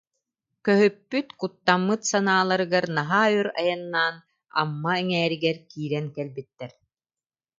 Көһүппүт, куттаммыт санааларыгар, наһаа өр айаннаан Амма эҥээригэр киирэн кэлбиттэр